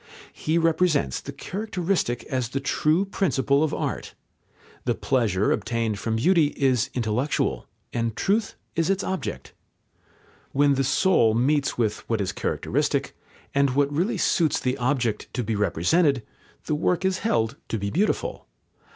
He represents the characteristic as the true principle of art. The pleasure obtained from beauty is intellectual, and truth is its object. When the soul meets with what is characteristic, and what really suits the object to be represented, the work is held to be beautiful.